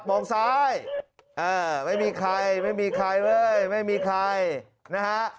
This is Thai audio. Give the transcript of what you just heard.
มองซ้ายไม่มีใครเว้ยไม่มีใครนะฮะ